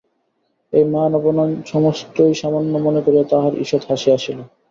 এই মান-অপমান সমস্তই সামান্য মনে করিয়া তাঁহার ঈষৎ হাসি আসিল।